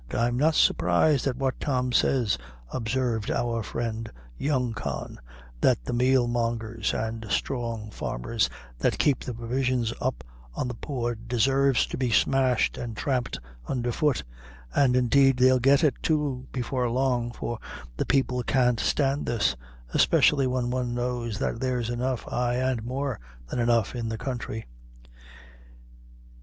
"I'm not surprised at what Tom says," observed our friend, young Con, "that the meal mongers and strong farmers that keep the provisions up on the poor desarves to be smashed and tramped under foot; an' indeed they'll get it, too, before long, for the people can't stand this, especially when one knows that there's enough, ay, and more than enough, in the country."